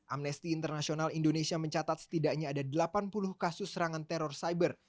amnesty international indonesia mencatat setidaknya ada delapan puluh kasus serangan teror cyber